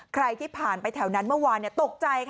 ใครที่ผ่านไปแถวนั้นเมื่อวานตกใจค่ะ